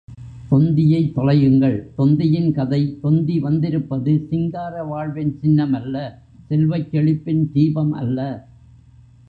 தொந்தியைத் தொலையுங்கள் தொந்தியின் கதை தொந்தி வந்திருப்பது சிங்கார வாழ்வின் சின்னமல்ல செல்வச் செழிப்பின் தீபம் அல்ல.